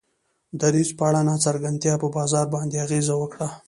دریځ په اړه ناڅرګندتیا په بازار باندې اغیزه وکړه.